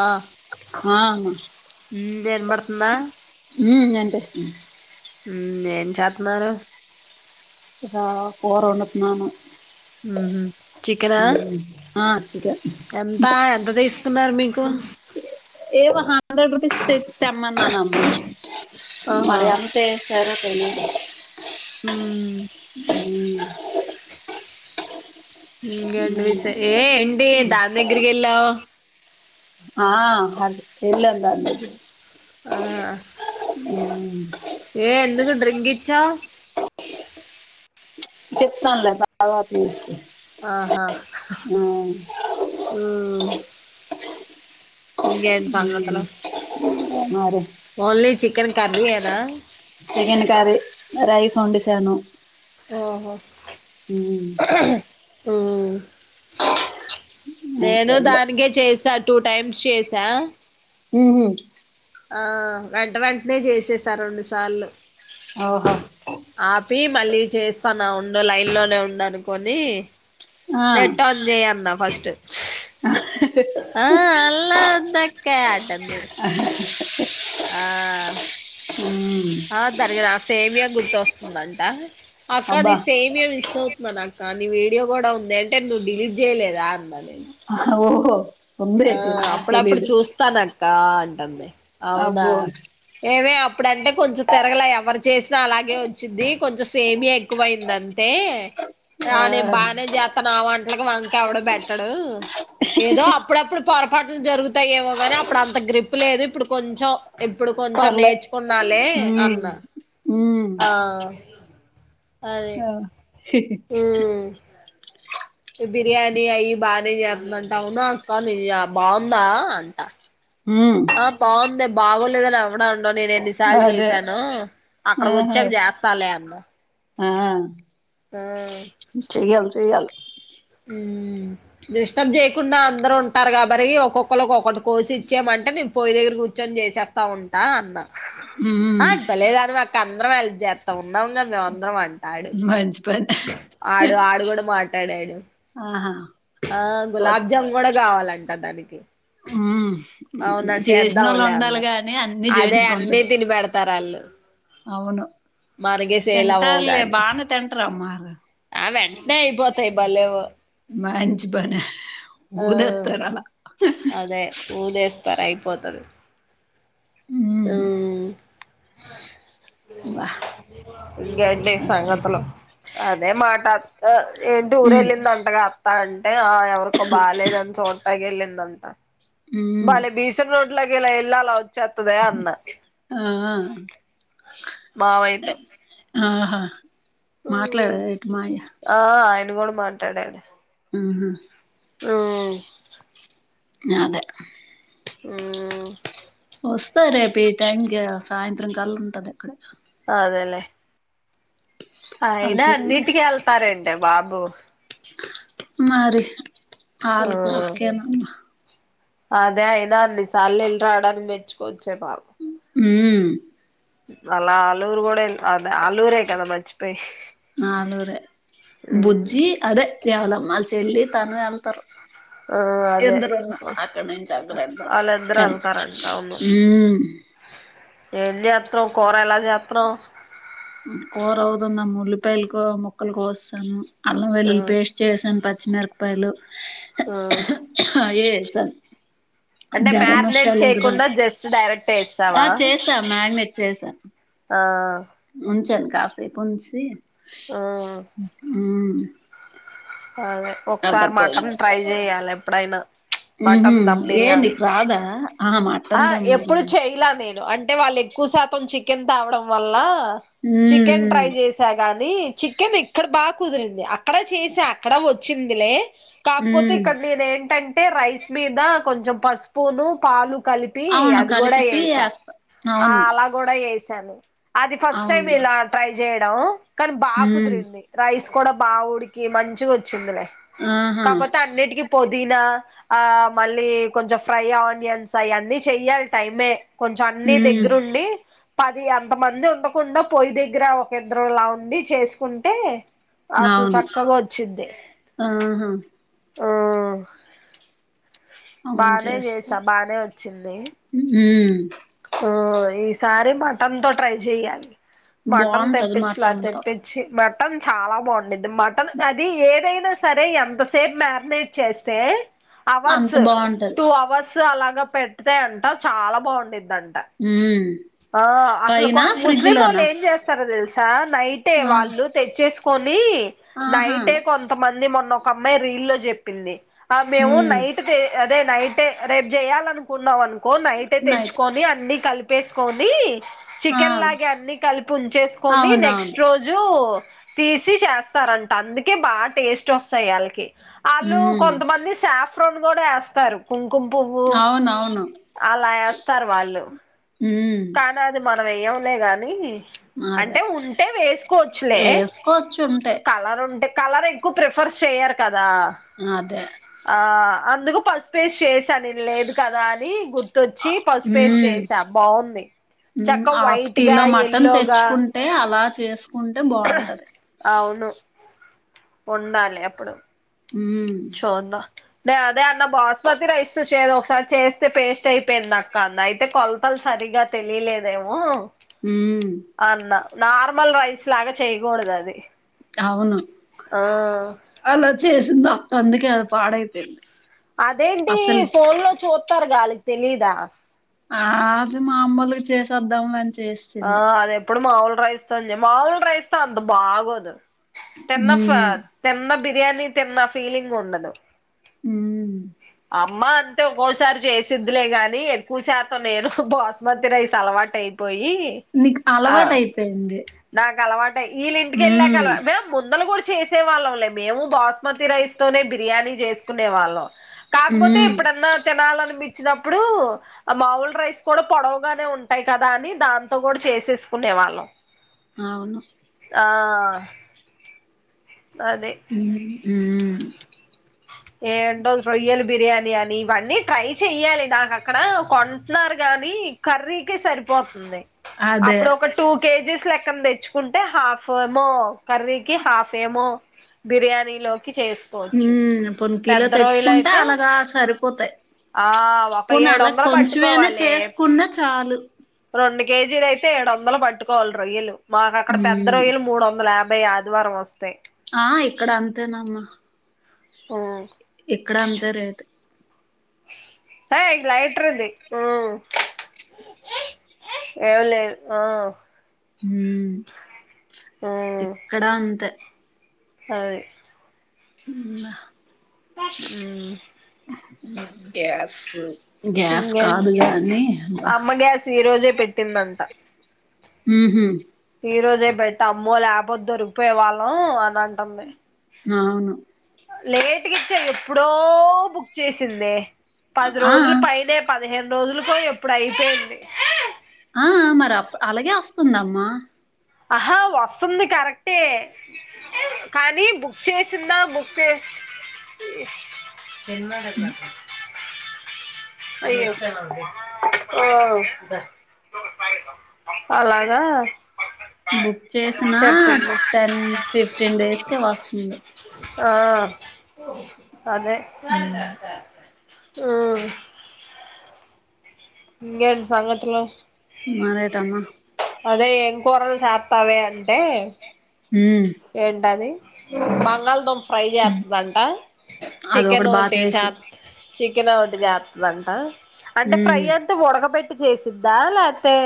ఆ ఆ హ్మ్ దే ఇనబడుతుందా హ్మ్ గనిపిస్తుంది హ్మ్ ఏం చేత్నారు ఏదా పోర ఉన్నట్టున్నాను మ్మ్ హు హ్మ్ ఆ చిక ఎంతా ఎంత దీస్ తున్నారు మీకు ఏవొ హండ్రెడ్ రూపీస్ తె తెమ్మన్నానమ్మ ఆహా మరి ఎంత ఏసారో తెల్దా హ్మ్ హ్మ్ ఇంగేంటి విషయ ఏ ఏంటి దాన్ దగ్గరికి ఎళ్ళావ్ ఆ అది తెల్దంటాంది అది ఆ హ్మ్ రింగ్ ఇచ్చావ్ చెప్తాన్లే భాగవతం నీకి ఆహా హ్మ్ ఇంగేంటి సంగతులు మరే ఓన్లీ చికెన్ కర్రీ ఎ నా సెగెన్ కరీ రైస్ వొండేసాను ఓహో ఉమ్ హ్మ్ నేను అయిపోయింది దానికే చేసా టూ టైమ్స్ చేసా హ్మ్ హు ఆ వెంట వెంటనే జేసేసా రెండు సార్లు ఓహో ఆపి మళ్ళీ చేస్తాన్నా ఉండు లైన్లోనే ఉండు అనుకొనీ ఆ నెట్ ఆన్ జెయ్ అన్నాం ఫస్ట్ ఆ అల్లా దక్కయ్య అంటాంది ఆ ఉమ్ ఆ తరిగ నా సేమియా గుర్తొస్తుందంట అక్క నీ అబ్బా సేమియా మిస్ అవుతున్నాను అక్క నీ వీడియో గూడా ఉందా అంటే నువ్వు డిలీట్ జేయలేదా ఆ ఓ హొ ఆ అప్పుడప్పుడు చూస్తానక్కా అ టందే అవునా అబ్బో ఏవే అ ప్పుడంటే కొంచెం తిరగలే ఎవరు చేసినా అలాగే వచ్చుద్దీ కొంచెం సేమీయా ఎక్కువయింది అంతే ఆ రానే బానే జాత నా వంట్లకి వంక ఎవడు పెట్టడు ఏదో అ అప్పుడప్పుడు పొరపాట్లు జరుగుతాయేమో గానీ అప్పుడు అంత గ్రిప్ లేదు ఇప్పుడు కొంచెం ఇప్పుడు కొంచెం పర్లే నేర్చుకున్నాలే అన్నా హ్మ్ ఆ అదే మ్మ్ బిర్యానీ అయి బానే జేత్తుంటా అవునా అక్కానీ బావుందా అంటా ఉమ్ ఆ బావుందే బాగోలేదని ఎవడ అన్ నేను ఎన్నిసార్లు అదే జేసానో అక్కడకి ఆహా వచ్చాక జేస్తాలేే అన్న ఆ ఆ చేయాలి చేయాలి ఉమ్ డిస్టర్బ్ చేయకుండా అందరుూ ఉంటారు కా మరి ఒక్కొక్కరు ఒకొక్కటి కోసి ఇచ్చామంటే నేను పోయి దగ్గర కూర్చొని చేసేస్తా ఉంటా అన్నా ఉమ్ ఆ భలేదాను వె అక్క అందరంళ్ళ చేస్తా ఉన్నాముం మేము అందరం అం మంచి పని ఆడు ఆడు కూడా మా డాడు ఆహా ఆ గులాబ్జామున్ వచ్చాడు కూడా కావాలంట దానికి ఉమ్ అవునా చేసినోళ్ళు సద్దవలే అన్న ఉండాలి గాని అన్ని అదే అన్నీ చేయించుకుంటది తిని పెడతారు వాళ్ళు అవును అవ్వవు తింటలి గాని బాను తింట్ర అమ్మా ఆ వెంటనే అయిపోతాయి భలేవు మంచి పనే ఆ ఊద తారాల అదే ఊదేస్థరు అయిపోతది ఉమ్ బా ఇకెంటి ఇంకా సంగతులు అదే మాట ఏంటి ఊర ఉమ్ వెళ్ళిందంటగా తా అంటే ఆ ఎవరికో బాలేదు అని చో గిలిందంటా ఉమ్ భలే బీసెన్ రోడ్ ఇలా వెళ్ళి అలా వ చెత్త ధే అన్న ఆ ఆ! మావయ్యతో ఆహా ఉమ్ మాట్లాడదా ఎటు మాయ ఆయ్న్ ఇప్పుడు కూడా మాట్లాడాలి ఉహుమ్ ఉమ్ అదే ఉమ్ వస్తా రేపు ఈ టైంకి సాయంత్రం కల్ ఉంటది అక్కడ అదేలేే వాళ్ళ అయినా చెల్లి అన్నిటికి వెళ్తారంటే బాబు మరి ఉమ్ అలికియోపికెనామా అదే అయినా అన్నిసార్లు వెళ్ళి రావడానికి మెచ్చుకోవచ్చే బాబూ ఉమ్ అలా అలూరు కూడా ఎల్ అలూరే కదా మర్చిపోయి ఆలూరే బుజ్జి అదే ఎవలం వాల్ చెల్లి తను ఎళ్తార్ ఆ అదే ఎందరున్నా అక్కడ నుంచి అక్కడ అందరు వాళ్ళిద్దరు కలిసి వెళ్తారంట హుమ్ ఎంచెత్తం కూర ఎలా చెత్తునావ్ కూర అవుదుందమ్మ ఉల్లిపాయలు ముక్కలు కోసేశాను అల్లం ఆ వెల్లులి పేస్ట్ చేసాను పచ్చిమిరప పయలు ఆ ఐఎఎస్ ఆ అంటే మ్యాగ్నేట్ చేయకుండా దాంట్లో జస్ట్ డైరెక్ట్ ఆ ఏసవా చేసా ఆ ఉంచ కాసేపు ఉంచి ఆ హుమ్ అదే ఒకసారి పోయి మటన్ మీద ట్రై పెడతా చెయాలి ఎప్పుడైనా ఉహు మటన్ ధమ్ ఏ బిర్యానీ నీకు రాదా ఆ ఆ మటన్ దమ్ ఎప్పుడు బిర్యానీ చెయ్ల నేను అంటే అంటే వాళ్ళు ఎక్కువ శాతం చికెన్ తావడం వల్లా చికెన్ ఉమ్ ట్రై చేస గాని చికెన్ ఇక్కడ బాగ్ కుదిరింది అక్కడ చేశా అక్కడ వచ్చిందిలే ఉమ్ కాకపోతే ఉమ్ ఇక్కడ నేనెంటంటే అంటే రైస్ మీద కొంచెం పసుపూను పాలు కలిపి అవును అది గుడా కలిపిసి ఎసా ఏస్తా ఆ అవును అలా కూడా ఎస్ తను అది ఫస్ట్ టైమ్ అవును ఇలా ట్రై చెయండి నో కానీ బాగ్ ఉమ్ కుదిరింది రైస్ కూడ బా ఉడికి మం మంచిగ్ వచ్చిందిలే ఆహా కాకపోతే అన్నిటికీ పొదీనా ఆ మళ్ళీ కొంచెం ఫ్రై ఆనియన్స్ అవన్నీ చెయ్యాలి టైమే కొంచెం అన్ని ఉమ్ దగ్గరుండి పది అంత మంది ఉండకుండా పొయ్యి దగ్గర ఒక ఇద్దరులా ఉండి చేసుకుంటే అసలు అవును చక్కగ ఆహా! హుమ్ అవును బానే చేసుకో చేసా బానే వచ్చింది [unintelligible] ఆ ఈసారి మటన్ తో ట్రై చెయ్యాలి. మటన్ బాగుంటది తెప్పించలా మటన్ తో తెప్పించి మ చాలా బాగుం మటన్ అది ఏదైనా! అయినా సరే ఎంతసేపు మ్యారినేట్ చేస్తే! అంత అవర్స్ బాగుంటది టూ అవర్స్! అలాగ పెట్టీ తే అంటా చాలా బాగుంది ంట ఉమ్ ఆ అసలు పైన ఫ్రిడ్జ్ ముస్లిం వాళ్ళు లోనా ఏం చేస్తారో తెలుసా [unintelligible] నైటే ఆ వాళ్ళు తెచ్చేసు ఆహా నైటే కొంతమంది మొన్న ఒక అమ్మాయి రీల్ లో చెప్పింది మేము ఉమ్ నైట్ [unintelligible] అదే నైటే రేపు చేయాలనుకున్నాం అనుకు కోన్నాయిటతేచ్ నైట్ అీ కలిపేసుకొని ఆ చికెన్ లాగ అన్నిీ కలిపి ఉంచేసుకొని నెక్స్ట్ అవునవును రోజు తీసి చేస్తారంట అందుకే బాగా టేస్ట్ వస్తాయి వాళ్ళకి ఆలుూ ఉమ్ కొంత మంది సాఫ ెండ్ కూడా వేస్తారు కు కుంపువ్వు అవునవును అలాయస్త పళ్లుు ఉమ్ కానీ అదు మా మనం వెయ్యం లే గానీ అదే అంటే ఉంటే వేసుకోవచ్చులే వేసుకోవచ్చు ఉంటే కలర్ ఉంటే కలర్ ఎక్కువ ప్రిఫర్ చేయ్యరు కదా అదే ఆ అందుకు పస్పేస్ చేేస్ [unintelligible] లేదు కదా అని గుర్తొచ్చి పసుపేస్ ఉమ్ చేసా బాగుంది చక్క హాఫ్ వైట్ గా కిలో మటన్ ఎల్లోగా తెచ్చుకుంటే అ లా చేసుకుంటే బాగుంటది ఉండాలే ఎప్పుడు హు ే అదే అన్న బాస్మతి రైస్ తో చేద ఒకసారి చేస్తే పేస్ట్ అయిపోయింది అక్క అంది అయితే కొలతలు సరిగా తెలియలేదేమో హు అన్న నార్మల్ రైస్లాగా చెయకూడదు అది అవును ఆ అలా చేసిందా అందుకే అది పాడైపోయింది అదేంటి అసలు ఫోన్ లో చూ తారుగా అల్లకి తెలీయదా ఆ అది మా అమ్మలుగ చేసేద్దాంలే అన్ చేసేసింది ప్పుడు మాముూలు రైస్తో చె మాముూలు రైస్తో ఒద్దు బాగోదు తిన్న ఫ్ ఉమ్ తిన్న బి ర్యానీి తిన్న ఫీలింగ్ ఉండదు హు అమ్మ అంతే ఒక్కోసారి చేసిద్లే గాని ఎక్కువ శాతం నేను బాస్మతి రైస్ అలవాటు అయిపోయి నీకు అలవాటు అయిపోయింది ట వీళ్ళ ఇంటికి వెళ్ళాకల ఉమ్ మేము ముందల కూడా చేసే వాళ్ళంలే మేము బాస్మతి రైస్ తోనే బిర్యానీ చేసుకునే వాళ్ళం కాకపోతే ఉమ్ ఎప్పుడన్నా తినాలని పిచ్చినప్పుడు మావులు రైస్ కూడా పొడవగానే ఉంటాయి కదా అని దాన్ తో కూడా చేసేసుకునే వాళ్ళం అవున ఆ అదే మ్ హు ఏంటో రొయ్యలు బిర్యాని అని ఇవన్నీ ట్రై చెయ్యాలి దా నాక్కడ కొంటున్నారు గాని కర్రీకి సరిపోతుంది అదే అప్పుడు ఒక టూ కేజీస్ లెక్క తెచ్చుకుంటే హాఫ్ ఏమో కర్రీకి హాఫ్ ఫెమో బిర్యానీ లో కి చేసుకోవచ్చు ఉమ్ పోనీ కిలో పెద్ద తెచ్చుకుంటే రోయలయితే అలాగా సరిపోతాయి ఆ ఒక పోనీ ఏడు అలా వందలు కొంచెమైనా పట్టుకోవాలి చేసుకున్నా చాలు రెండు కేజీలయితే ఏడు వందలు పట్టుకోవాలి రొయ్యలు మాకు అక్కడ పెద్ద ఉమ్ రోయ్యలు మూడు వందల యాభ బై ఆదివారం వస్ ఆ ఇక్కడ అంతేనమ్మ ఆ ఇక్కడ అంత రేటు హ ఇ లైట్ర్ ఉది ఎవ లేదు ఆ ఉమ్ ఇక్కడ అంతే అది అమ్మ ఉమ్ గ్యాస్ గ్యాస్ కాదు గాని అబ్బా అమ్మగ్యాస్ ఈ రోజే పెట్టిందంట ఉహూ ఈ రోజే పెట్ట అమ్మో లేకపోతే దొరికిపోయే వాళ్ళం అని అంటుంది అవును లేట్కి ఇచ్చాను ఎప్పుడో బుక్ చేసింది పది ఆ రోజులు పైనే ప. పదిహేను రోజులు కూడా ఎప్పుడు అయిపోయింది. ఆ మరి అప్ అలాగే వస్తుందమ్మా ఆహా వస్తుంది కరెక్టే కానీ బుక్ చేసిందా బుక్ చే! తన్నడందట? అయ్యో ఓ అలాగా! బుక్ చేసిన చెప్పింది టెన్ ఫిఫ్టీన్ డేస్ క వస్తుంది. ఆ.. అదే. ఆ. ఇంకేంటి సంగతులు మరేటమ్మా అదే ఏం కూరలు చెత్తవేమని ంట ఉమ్ ఏంటది? బంగాల్దుంప ఫ్రై చేస్తుందంట అది చికెన్ ఒకటి బాగా ఒకంటే చాత్ చేసిద్ది చికెన్ ఒకటి చేస్తందంట! అంటే ఫ్రై ఉమ్ వధ్ధు ఉడకబెట్టి చేసిద్దా లేకతే!?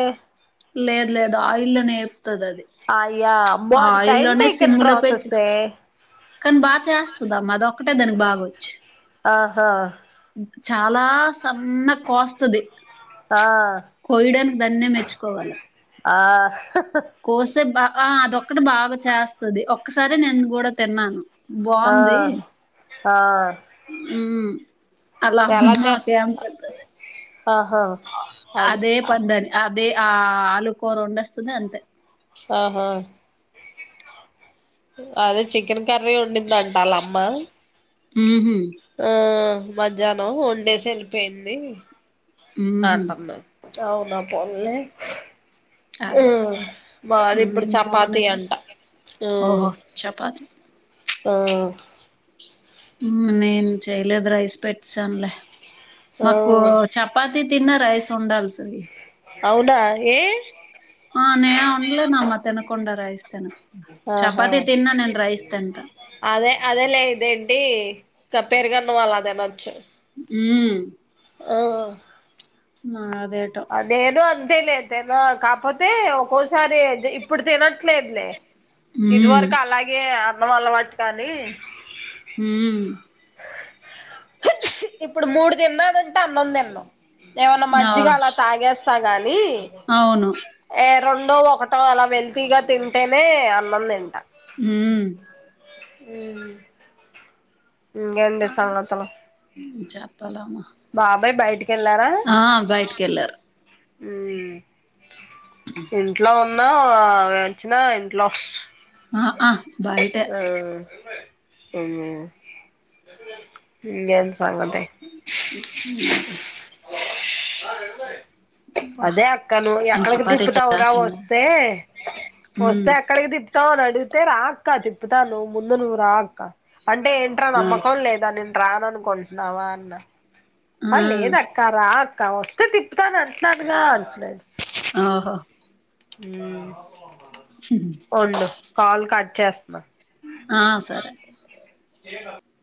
లేదు లేదు ఆయిల్ లోనే వ అది అయ్యా అమ్మో అది టైమ్ ఆయిల్లోనే టేకన్ సిమ్ లో పెట్టి ప్రాసెస్సే కానీ బాగా చేస్తుంద అమ్మా అద ఒక్కటే దానికి బాగొచ్చు. ఆహా! చాలా సన్నగ కోస్తుది. ఆ దాన్నే మెచ్చుకోవాలి. ఆ హా కోసబా ఆ అదొక్కటి బాగా చేస్తుది ఒక్కసారి నేను కూడా తిన్నాను. ఆ బాగుంది. ఆ ఉమ్ అలా ఎలా అమ్మ చే ప్రేమ పెధాది ఆహా అదే అది అదే పెధాది అదే ఆ ఆలుకూర వండొస్తుంది అంతే ఆహా! అదే చికెన్ కర్రీ ఉండిందంటలామ్మ మ్హు ఆ మధ్యాహ్నం వన్ండేస్ వెళ్ళిపోయింది మ్హు ఆంటమ్మా అవునా పోర్లే అదే ఉమ్ మాది ఇప్పుడు నేను చపాతి మార్నింగ్ అంట ఓహో చపాతి ఉమ్ ఉమ్ నేను చేయలేధుర ఎడ్స పెట్సనలే ఆ మాకు చపాతి తిన్న రైస్ ఉండల్ సీ అవునాా ఏ ఆ నేయ ఉండ్లే నామ తెనుకొండరాయిస్త ఆహా రైస్ తింటా అదే అదే లే ఇదేంటి స పేరుగాన్న వాళ్ళ అదేన వచ్చు ఉమ్ ఆ నా అదేను అం త అ లే తె కాకపోతే ఒక్కోసారి ఇప్పుడు తినట్లేదులే ఇది ఉమ్ వరకు అలాగే అన్నం అలవాటు కానీ ఉమ్ ఇప్పుడు మూడు తిన్నాదంటే అన్నం తిను ఏమన్న ఆ మజిగాాల థాగెస్తా కా ని అవును ఏ రెండో ఒకటో అలా వెల్తీగా తింటేనే అన్నం తింట హోమ్ హం ఇంకేంది సంగతులు చెప్పాలమ్మా బాబాయ్ బయటికి వెళ్ళారా ఆ బయటికెళ్ళారు ఆ ఇంట్లో ఉన్ చ్చిన ఇంట్లో ఆ ఆ అమ్మో ఇంకేం సంగతి అరే అబ్బా నేను చపాతి చేస్తుందా ఉమ్ అక్క చెప్తాను ముందు నువ్వు రా అక్క అంటే ఏంట్రా ఆ నమ్మకం లేదా నే రాను అనుకుంటున్నావా అన్న ఆ లేదక్కా రా క వస్తే తిప్పుతాను అన్నానుగా అన్నది ఓహో ఉమ్మ్ ఉండు కాల్ కట్ చేస్మా ఆ సరే ఏడ్వాక్ [inaudible]